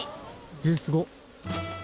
えっすごっ。